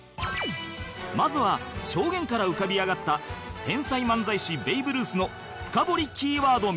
まずは証言から浮かび上がった天才漫才師ベイブルースの深掘りキーワード